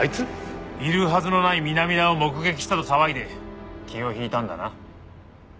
いるはずのない南田を目撃したと騒いで気を引いたんだな。